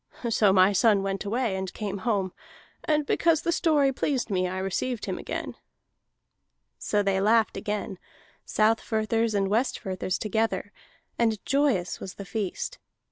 So my son went away, and came home, and because the story pleased me I received him again." So they laughed again, Southfirthers and Westfirthers together, and joyous was the feast.